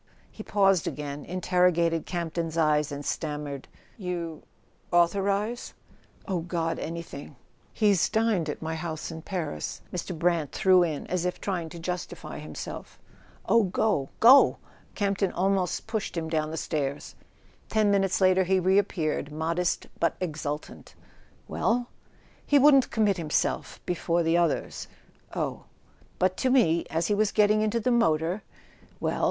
He paused, again interrogated Campton's eyes, and stammered: "You authorize ?"" Oh, God—anything !"[ 284 ] A SON AT THE FRONT "He's dined at my house in Paris," Mr. Brant threw in, as if trying to justify himself. "Oh, go— go /" Campton almost pushed him down the stairs. Ten minutes later he reappeared, modest but exultant. "Well?" "He wouldn't commit himself, before the oth "Oh " "But to me, as he was getting into the motor " "Well?"